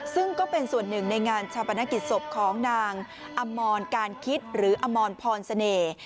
ซึ่งก็เป็นส่วนหนึ่งในงานชาปนกิจศพของนางอมรการคิดหรืออมรพรเสน่ห์